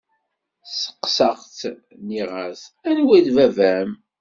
Steqsaɣ-tt, nniɣ-as: Anwa i d baba-m?